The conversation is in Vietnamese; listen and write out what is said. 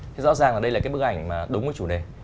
thì rõ ràng là đây là cái bức ảnh đúng với chủ đề